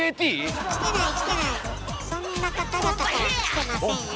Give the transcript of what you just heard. そんな方々から来てませんよ。